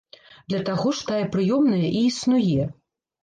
Для таго ж тая прыёмная і існуе.